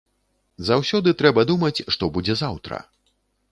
Заўсёды трэба думаць, што будзе заўтра.